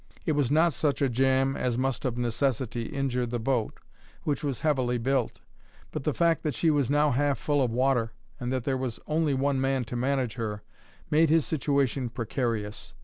It was not such a jam as must of necessity injure the boat, which was heavily built; but the fact that she was now half full of water and that there was only one man to manage her, made his situation precarious.